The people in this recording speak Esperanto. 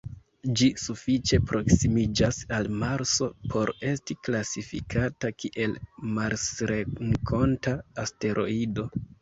Ĝi sufiĉe proksimiĝas al Marso por esti klasifikata kiel marsrenkonta asteroido.